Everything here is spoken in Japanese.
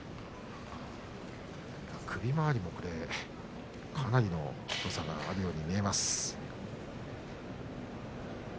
首回りもかなりの太さがあるように見えます。